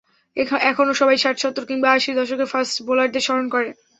এখনো সবাই ষাট, সত্তর কিংবা আশির দশকের ফাস্ট বোলারদের স্মরণ করে।